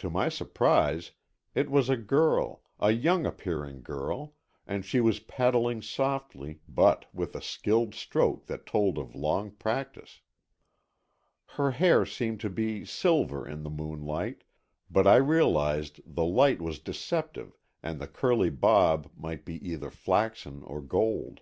To my surprise it was a girl, a young appearing girl, and she was paddling softly, but with a skilled stroke that told of long practice. Her hair seemed to be silver in the moonlight, but I realized the light was deceptive and the curly bob might be either flaxen or gold.